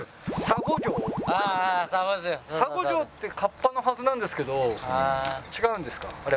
沙悟浄ってカッパのはずなんですけど違うんですか？